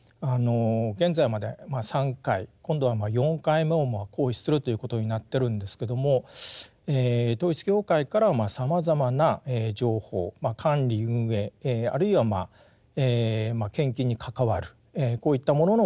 現在まで３回今度は４回目を行使するということになってるんですけども統一教会からはさまざまな情報管理運営あるいはまあ献金に関わるこういったものの情報を集め